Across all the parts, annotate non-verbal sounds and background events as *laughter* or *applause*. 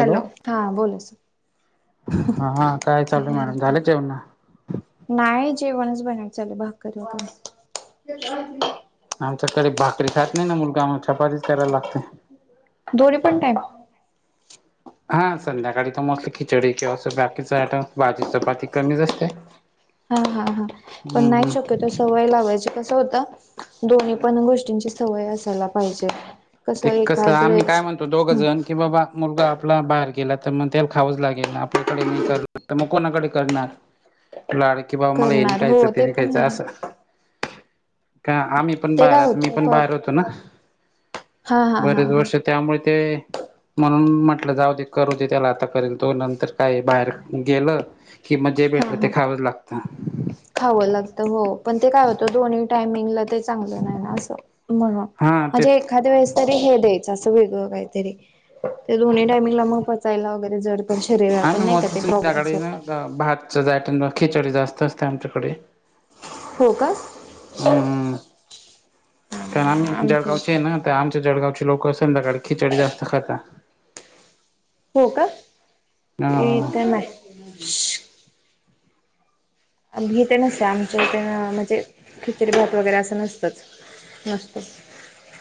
Hello हा बोला sir. हा हा काय चालू आहे मॅडम सर झाले का जेवन. नाही जेवणच बनवणे चालू आहे भाकर होते. आमच्याकडे भाकरी खात नाही ना मुलगा मग आमला चपातीच करायला लागते. दोन टाईम. हा संध्याकाळी तर मस्त खिचडी किंवा अस बाकीच आयटम भाजी चपाती कमीच असते. हा हा हा पण हम्म नाही हम् शक्यतो सवय लावायची कसं होतं. दोन्ही पण गोष्टींची सवय असायला पाहिजे. कसं ते कस एखाद आम्ही काय वेळेस म्हणतो दोघ हम्म जन. की बाबा मुलगा आपला बाहेर गेला तर मग त्याला खावंच लागेल ना आपल्याकडे नाही कर तर मग कोणाकडे करणार. लाड की बाबा मला हेनी करणार हो खायच ते नाही पण खायच आहे अस. का आम्ही पण ते बाहेर काय आता मी पण होतं बाहेर होतो ना. हा हा हा बरेच हा वर्ष त्यामुळे ते म्हणून म्हटलं जाऊदे करूदे त्याला आता करेल तो नंतर काय बाहेर गेलं कि मग जे भेटलं ते खावंच लागत. खाव लागतं हो पण ते काय होतं दोन्ही टाईमिंगला ते चांगल नाही ना अस. म्हणून हा ते म्हणजे एखाद्या वेळेस तरी हे द्यायचं असं वेगळं काहीतरी ते दोन्ही टाइमिंगला मग पचायला वगैरे जड पण शरीर पण आम्ही नाही का मोस्टली ते प्रॉब्लेमस संध्याकाळी ना भातच आयटम खिचडी जास्त असते आमच्याकडे. हो का. हम्म हम्म कारण आम्ही आमच्या जळगावचे इथं आहे ना तर आमच्या जळगावचे लोक अस संंध्याकाळी खिचडी जास्त खाता. हो काय अ इथ नाय. हिथे नसत आमच्या इथ अ म्हणजे खिचडी भात वगैरे अस नसतच. मस्तच.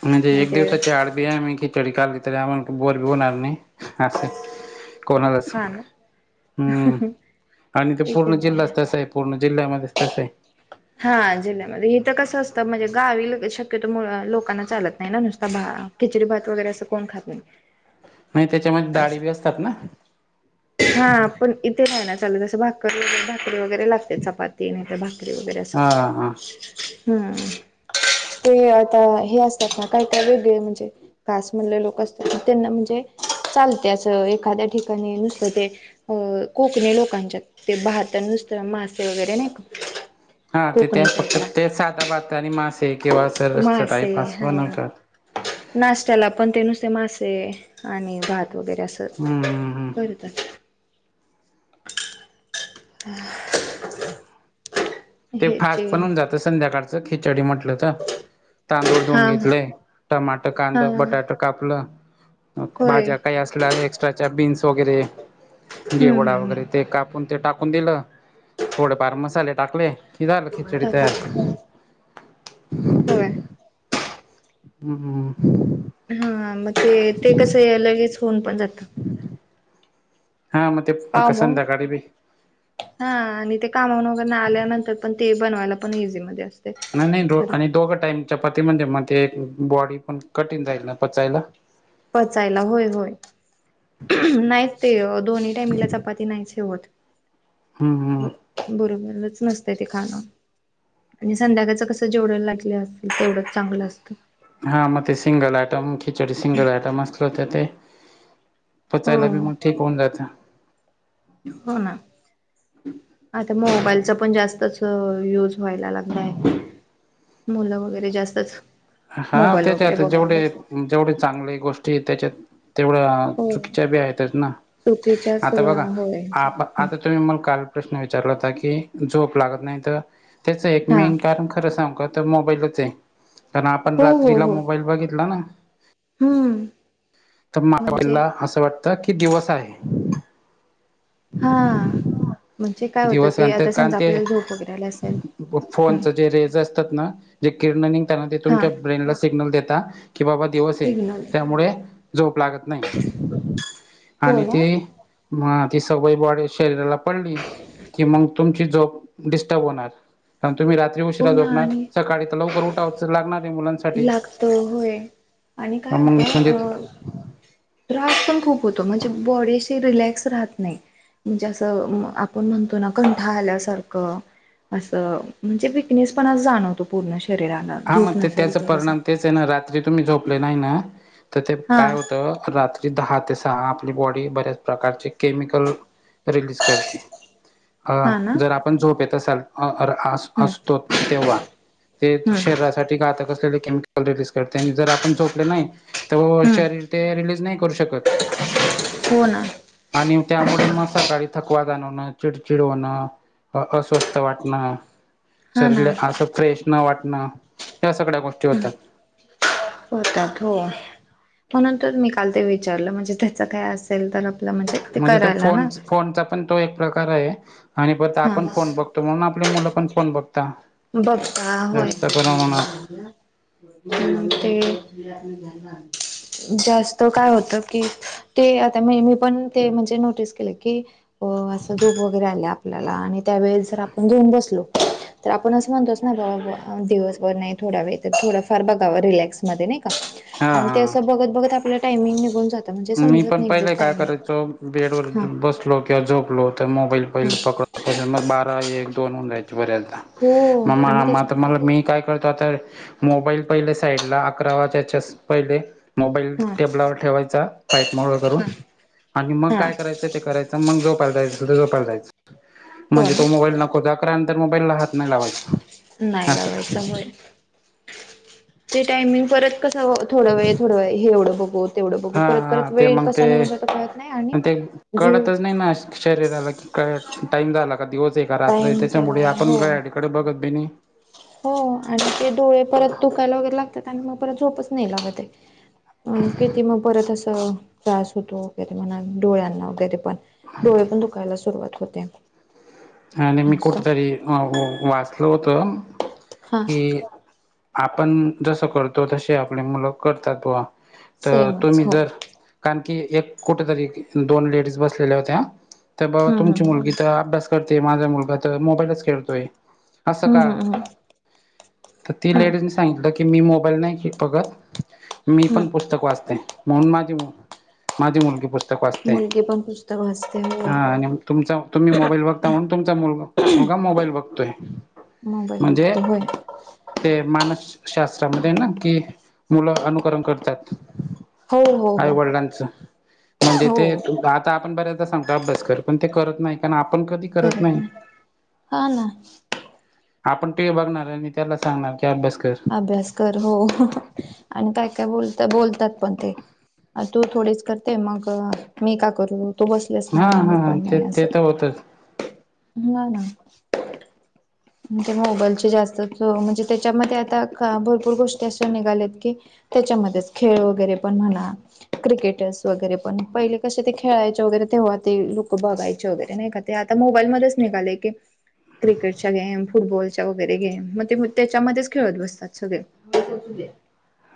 म्हणजे एक दिवसाच्याआडबी आम्ही खिचडी खाली तरी ते आम्हाला बोर घेऊन आणणे अस. कोणालाच हा ना हम्म आणि ते इथे पूर्ण नाही जिल्हाच तसा आहे. पूर्ण जिल्ह्यामध्ये तस ये. हा जिल्ह्यामध्ये इत कस असतं म्हणजे गावी शक्यतो लोकांना चालत नाही ना नुसता भा खिचडी भात वगैरे असं कोण खात नाही. नाही त्याच्यामध्ये डाळी असं बी असतात ना. हा आपण इथे नाही न चालत अस भाकर भाकरी वगैरे लागते चपाती नाही तर भाकरी वगैरे हा हा असत हमम. ते आता हे असतात ना काय काय वेगळे म्हणजे घास म्हणले लोक असतात तर त्यांना म्हणजे चालते असं एखाद्या ठिकाणी नुस ते कोकणी लोकांचे ते भात नुसतं मासे वगैरे नाही का हा ते कोकणी फक्त ते साईडला साधा भात आणि मासे किंवा अस रसा टाइप असत नाही का? नाष्ट्याला पण ते नुसते मासे आणि भात वगैरे अस हमम. करीतात. धन्यवाद *inaudible* ते फास्ट ह्याचे पण होऊन जात संध्याकाळचं खिचडी म्हटल तर. तांदूळ हा धुवून हा घेतले टमाट कांद हा बटाट कापलं. मग होय भाज्या काही असल्या एक्स्ट्राच्या बीन्स वगैरे हम्म घेवडा हम्म वगैरे ते हम्म कापून ते टाकून दिलं थोडेफार मसाले टाकले कि झाल खिचडी टाकले तयार. होय. हमम हम. हा मग ते ते कसं या लगेच होऊन पण जातं. हा म ते पण कसं काम संध्याकाळी बी. हा आणि ते कामावरन आल्यानंतर पण ते बनवायला पण इझीमध्ये असत. नाही नाही दो आणि दोघं टाइम चपाती म्हणजे मध्ये एक बॉडी पण कठीण जाईल ना पचायला. पचायला होय होय. नाहीच ते दोन्ही टाईमला चपाती नाहीच हे होत. हम्म हम्म बरोबरच नसत ते खाणं. आणि संध्याकाळचं कसं जेवढ लागले असल तेवढंच चांगलं असतं. हा म ते सिंगल आयटम खिचडी सिंगल आयटम असल होते ते हो पचायला बी मग ठीक होऊन जातं. हो ना. आता मोबाईलचा पण जास्तच युज व्हायला लागलाय. मुलं वगैरे जास्तच हा मोबाईल वगैरे त्याच्यात बघत जेवढे बसतात जेवढे चांगले गोष्टी त्याच्यात तेवढा हो चुकीच्या बी आहेतच ना चुकीच्याच आता बघा होय आपा आता तुम्ही मग काल प्रश्न विचारला होता की झोप लागत नाही तर त्याचं एक हा मेन कारण खरं सागूं तर मोबाईलच आहे. कारण आपण हो हो रात्रीला हो मोबाईल बघितला ना हम्म तर म्हणजे मांईडला *unintelligible* असं वाटत कि दिवस आहे. हा. म्हणजे काय होतं दिवस ते अंत आता कां समजा ते आपल्याला झोप वगैरे आला असेल फोन हम्म जे रेज असतात ना जे किरण निघताना ते हा तुमच्या ब्रेनला सिग्नल देता की बाबा दिवस आहे सिग्नल त्यामुळे झोप लागत नाही. हो आणि ना ती मग ती सवय बॉडी शरीराला पडली की मग तुमची झोप डिस्टर्ब होणार कार तुम्ही रात्री हो उशिरा ना झोपणार आणि सकाळी ते लवकर उठावत लागणार मुलांच लागत होय आणि काय होत मग म्हणजे अ त्रास पण खूप होतो म्हणजे बॉडी अशी रिलॅक्स राहत नाही. म्हणजे असं अ आपण म्हणतो ना कंठाळ आल्यासारखं असं म्हणजे विकनेस पणा जाणवतो पूर्ण शरीराला हा मग झोप ते नसेल त्याचा तर असं. परिणाम तेच आहे ना रात्री तुम्ही झोपले नाही ना तर ते हा काय होत रात ते दहा ते सहा आपली बॉडी बऱ्याच प्रकारचे केमिकल रीलीज करते अ हा ना जर आपण झोपेत असाल अ अर आस हम्म असतो तेव्हा ते हम्म त्यासाठी आता कसले केमिकल रिज करते जर आपण झोपले नाही तर हम्म शरीर ते रिलीज नाही करू शकत. हो ना आणि त्यामुळे म सकाळी थकवा जाणवणं चिडचिड होणं. अस्वस्थ वाटणं. हा ना शरीरला असं फ्रेश न वाटणं या सगळ्या गोष्टी हम्म होतात. होतात हो. म्हणून तर मी काल ते विचारलं म्हणजे त्याच काय असेल तर ते म्हणजे त करायला फोन ना. फोनचा पण तो एक प्रकार आहे आणि हा आपण फोन बघतो. त म्हणून आपली मुलं पण फोन बघता बघता होय. जास्त प्रमाणात. ते जास्त काय होत की ते आता म मी पण ते म्हणजे नोटीस केलं की ही असं झोप वगैरे आले आपल्याला आणि त्यावेेळेस जर आपण घेऊन बसलो तर आपण असं म्हणतोच ना का बाबा दिवसभर नाही थोडा वेळ तर थोडं फार बघावं रिलॅक्समध्ये नाही का. हा आणि ते हा. असं बघत बघत आपला टायमिंग निघून जात मी पण पहिले काय करायचो बेड वर हा बस लो किंवा झोपलो तर मोबाईल हा पहिले पकड मग बारा एक दोन होऊन जायचे बऱ्याचदा. हो म मला आणि म आता त्याच्यानंतर मला मी काय करतो आता मोबाईल पहिले साईडला अकरावाजायच्या पहिले मोबाईल हा टेबलावर ठेवायचा फ्लॅईट मोडला करून हा आणि मग हा काय करा करायचं ते करायच मग झोपायला जायचं त झोपायला जायचं हो म्हणजे ना तो मोबाईल नको ता त्यानंतर मोबाईल ला हात नाही लावायच. नाही लावायचा होय ते टायमिंग परत कस थोड वेळ थोडं वेळ हे एवढं बघून हा हा ते मग ते कळत नाही आणि अन ते झोप कळतच नाही ना शरीराला की काय टाइम झाला का दिवस आहे का रात्र टाइम त्याच्यामुळे झालाय आपण हो घड्याळ कडे बघत बी नाही. हो आणि ते डोळे परत दुखायला वगैरे लागतात आणि मग परत झोपच नाही लागते. आणि किती मग परत असं त्रास होतो वगरे म्हणा डोळ्यांना वगैरे पण. डोळे पण दुखायला सुरुवात होते. आणि मी असं कुठेतरी वाचल होत हा की आपण जसं करतो तसे आपले मुलं करतात बावा तर सेमच तुम्ही हो जर कारण की एक कुठेतरी दोन लेडीज बसलेल्या होत्या तर बाबा हम्म तुमची हम्म मुलगी तर अभ्यास करते माझा मुलगा तर मोबाईलच खेळतोय. असं हम्म, का हम्म, हम्म. तर ती हम्म लेडीजने सांगितलं की मी मोबाईल नाही घेत बघत. मी पण हम्म पुस्तक वाचते म्हणून माझी मु माझी मुलगी पुस्तक वाचते मुलगी पण पुस्तक वाचते होय. हा आणि तुमचा तुम्ही मोबाईल बघता म्हणून तुमचा मुलगा, मुलगा मोबाईल बघतोय. मोबाईल म्हणजे बघतो होय ते मानस शास्त्रामध्ये ना कि मुलं अनुक्रम करतात. हो हो आई, हो वडिलांचं म्हणजे हो ते तू आता आपण बऱ्याच सांगतो अभ्यासकर पण ते करत नाही कारण आपण कधी करत नाही हाना. आपण टीव्ही बघणार आणि त्याला सांगणार की अभ्यास कर. अभ्यास कर हो आणि काय, काय बोलता, बोलतात पण ते. तू थोडीच करते मग मी का करू? तो बसलेसना हा म मी हा पण ते नाही असं ते तर होतच हाना.. म्हणजे मोबाईलचे जास्त म्हणजे त्याच्यामध्ये आता भरपूर गोष्टी असे निघाल्यात की त्याच्यामध्येच खेळ वगैरे पण म्हणा क्रिकेटर्स वगैरे पण पहिले कसे ते खेळायचे वगैरे तेव्हा ते लोक बघायचे वगैरे नाही का. ते आता मोबाईल मध्येच निघाले की क्रिकेट चे गेम फुटबॉलच्या वगैरे गेम म ते त्याच्यामध्येच खेळत बसतात सगळे. *unintelligible*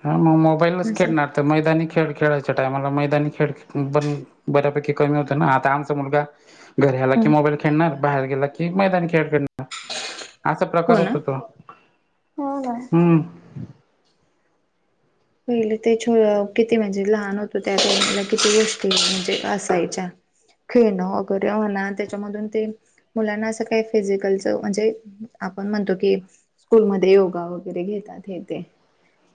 हा मग मोबाईलच असं खेळणार तर मैदानी खेळ खेळायच्या टाईमाला मैदानी खेळ बन बऱ्यापैकी कमी होत ना आता आमचा मुलगा घर आला की हम्म मोबाईल खेळणार, बाहेर गेला की मैदानी खेळ खेळणा असा हो प्रकार ना होतो तो हो ना हम्म. पहिले ते छो किती म्हणजे लहान होतो त्या वेळी किती गोष्टी म्हणजे असायच्या. खेळणं वगैरे होण त्याच्यामधून ते मुलांना असं काही फिजिकलच म्हणजे आपण म्हणतो की स्कूलमध्ये योगा वगैरे घेतात हे तेे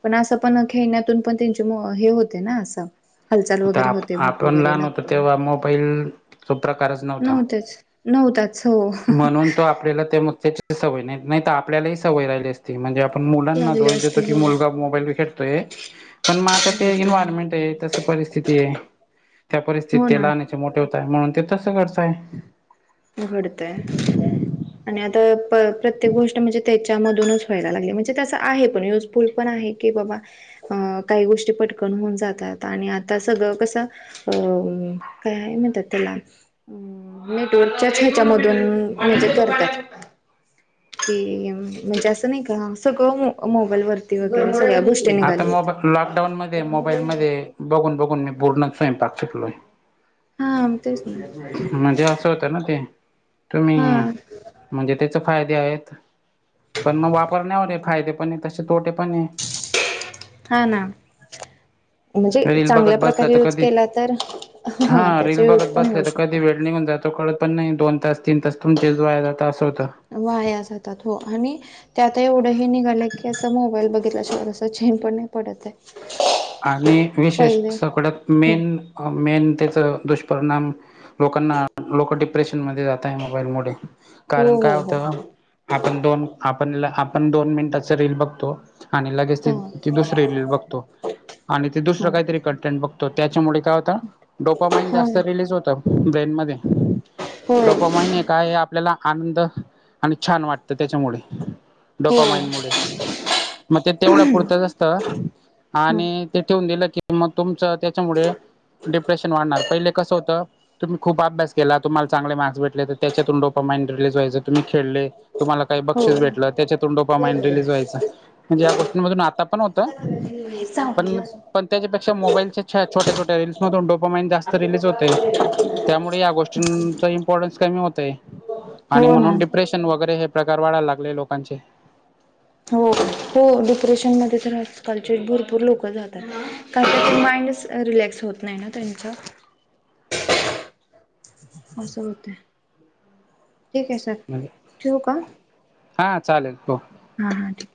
पण असं पण खेळण्यातून पण त्यांचे मो हे होते ना असं. हालचाल आता वगैरे आप होते भूक आपण वगैरे लहान होतो लागते तेव्हा मोबाईल तो प्रकारच नव्हता नव्हतेच. नव्हतात. म्हणून तो आपल्याला त्या मु त्याची सवय नाही, नाही तर आपल्यालाही सवय राहिली असती. म्हणजे आपण मुलांना लागले दोष देतो असते की हो मुलगा मोबाईलीेतोय. पण मग आता ते घेतोय इन्वयरमेंट आहे तस परिस्थिती आहे त्या हो ना परिस्थितला मोठे होतय म्हणून ते तसं करतय. घडतंय आणि आता प्रत्येक गोष्ट म्हणजे ते त्याच्या मधूनच व्हायला लागले म्हणजे तस आहे पण युजफुल पण आहे की बाबा अं काही गोष्टी पटकन होऊन जातात आणि आता सगळं कसं अ काय म्हणत त्याला त्याच ह्याच्या मधून म्हणजे करतात. कि म्हणजे असं नाही का सगळ मोबाईल वरती वगैरे सगळ्या गोष्टी आता निघाल्या आहेत मोबा लॉकडाऊन मध्ये मोबाईल मध्ये बघून, बघून मी पूर्ण स्वयंपाक शिकलोय. हा म तेच ना. होत ना ते तुम्ही हा म्हणजे त्याचे फायदे आहेत. पण मग वापरण्यावर आहे. फायदे पण तसे तोटे पण आहे. हा ना. म्हणजे रील चांगल्या बघत बसलं प्रकारे तर यूज कधी केला तरा त्याचा युज पण होऊ शकतो. ण जातो कळत पण नाही दोन तास तीन तास तुमच्या जयला असं होतं. वाया जातात हो आणि त्याता एवढंही निघालं की असं मोबाईल ब केल्याशिवाय चेन पण नाही पडत आहे आणि विशेष पहिले सगळ्यात हम्म मेन मेन त्याच दुष्परिणाम लोकांना लोक डिप्रेशन मध्ये जात आहे मोबाईलमुळे हो कारण काय हो हो होतं आपण दोन आपणला आपण दोन मिनिटाच रीलील बघतो आणि लगेच ते हा ती दुसरी बघतो आणि ते दुसरं हा काहीतरी कंटेंट बघतो त्याच्यामुळे काय होता डोकं माईन्ड हा जास्त रिलीज होतं ब्रेन मध्ये होय ोपा म्हणे काय आपल्याला आनंद आणि छान वाटत तर त्याच्यामुळे हो डोपा हम्म माइनमुळे मग ते तेवढा पुरतचसत आणि ते ठेवून दिलं की मग तुमच त्याच्यामुळे डिप्रेशन वाढणार पहिले कसं होतं तुम्ही खूप अभ्यास केला तुम्हाला चागले मार्क् भेटले तर त्याच्यातून डो मंड रिलीज वयचं तु् खेळले तुम्हाला काही हो बक्षीस भेटलं त्याच्यातूनंडोपा माइंड रिलीज व्हायं म्हणजे या गोष्टींमधून आता पण होत *inaudible* पण पण त्याच्यापेक्षा मोबाईल छट छोट्या रील्स न्हून डोपो मईन जास्त रिलीज होत त्यामुळे या गोष्टींचा इम्पॉर्टन्स कमी होतय आणि हो ना म्हणून डिप्रेशन वगैरे हे प्रकार वाढायला लागले लोकांचे हो हो डिप्रेशनमध्येध्ये तर आजकालचे भरपूर लोक जातात कार माइंड रिलॅक्स होत नाही ना त्यांचा असं होत ठीक आहे सर ठेवू हा चालेल हो हा हा ठीक